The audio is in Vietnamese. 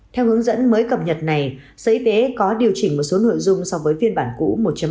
theo hướng dẫn mới cập nhật này sở y tế có điều chỉnh một số nội dung so với phiên bản cũ một